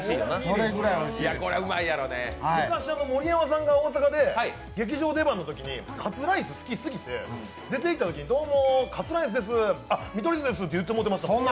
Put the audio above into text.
盛山さんが大阪で劇場出番のときにカツライス好きすぎて、出てきたときに、どうもカツライスです、あっ、見取り図ですって行ってましたもん。